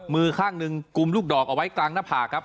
มือข้างหนึ่งกุมลูกดอกเอาไว้กลางหน้าผากครับ